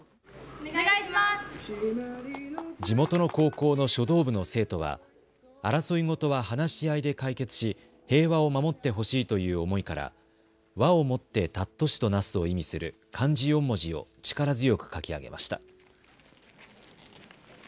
地元の高校の書道部の生徒は争いごとは話し合いで解決し平和を守ってほしいという思いから和を以て貴しとなすを意味する漢字４文字を力強く書き上げました。